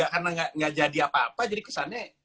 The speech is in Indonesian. karena gak jadi apa apa jadi kesannya